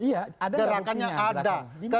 iya ada buktinya gerakan yang ada